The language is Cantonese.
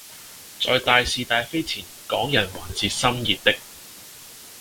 在大事大非前港人還是心熱的